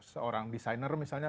seorang desainer misalnya